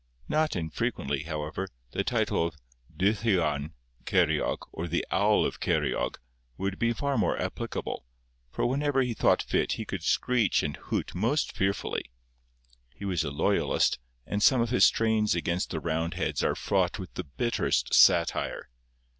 Not unfrequently, however, the title of Dylluan Ceiriog, or the Owl of Ceiriog, would be far more applicable, for whenever he thought fit he could screech and hoot most fearfully. He was a loyalist, and some of his strains against the Roundheads are fraught with the bitterest satire.